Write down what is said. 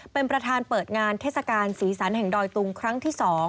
เป็นประธานเปิดงานเทศกาลสีสันแห่งดอยตุงครั้งที่๒